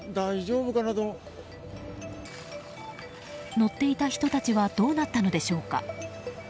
乗っていた人たちはどうなったのでしょうか。